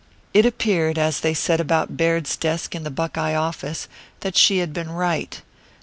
It appeared, as they set about Baird's desk in the Buckeye office, that she had been right.